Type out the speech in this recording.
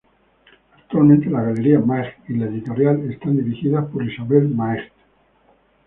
Actualmente, la Galería Maeght y la editorial están dirigidas por Isabelle Maeght.